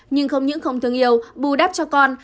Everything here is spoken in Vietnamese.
nhưng không những không thương yêu bù đắp cho con